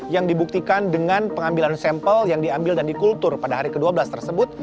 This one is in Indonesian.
yang dibuktikan dengan pengambilan sampel yang diambil dan dikultur pada hari ke dua belas tersebut